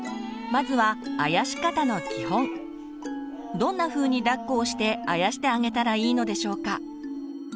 どんなふうにだっこをしてあやしてあげたらいいのでしょうか？